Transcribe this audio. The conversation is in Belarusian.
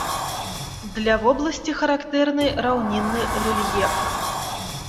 Для вобласці характэрны раўнінны рэльеф.